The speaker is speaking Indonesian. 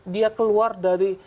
dia keluar dari